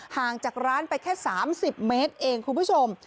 ห่างจากร้านไปแค่๓๐เมตรเองคุณผู้ชม